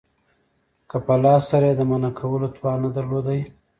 که په لاس سره ئې د منعه کولو توان نه درلودي